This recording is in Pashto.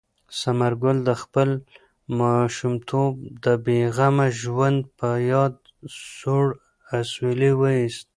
ثمر ګل د خپل ماشومتوب د بې غمه ژوند په یاد سوړ اسویلی وایست.